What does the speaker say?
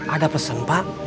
ada pesan pak